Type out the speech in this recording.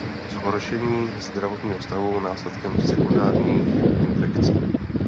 Zhoršení zdravotního stavu následkem sekundárních infekcí.